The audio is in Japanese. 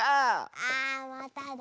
あまただ。